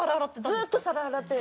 ずっと皿洗って。